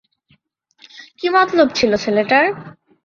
কী মতলব ছিল ছেলেটার?